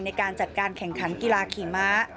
ในการจัดการแข่งขันกีฬาขี่ม้า